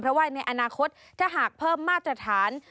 เพราะว่าในอนาคตถ้าหากเพิ่มมาตรฐาน